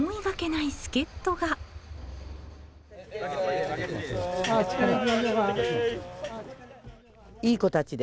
いい子たちで。